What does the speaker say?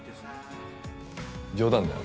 冗談だよ。